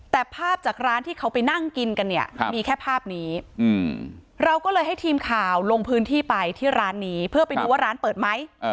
แต่ภาพจากร้านที่เขาไปนั่งกินกันเนี่ยมีแค่ภาพนี้เราก็เลยให้ทีมข่าวลงพื้นที่ไปที่ร้านนี้เพื่อไปดูว่าร้านเปิดไหม